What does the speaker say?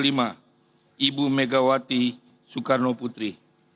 ibu megawati soekarno putri